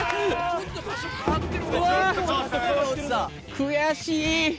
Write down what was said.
悔しい！